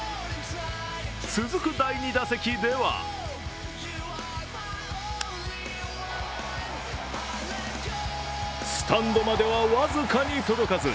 続く第２打席ではスタンドまでは僅かに届かず。